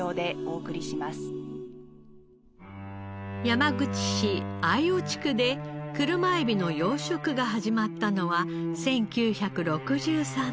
山口市秋穂地区で車エビの養殖が始まったのは１９６３年。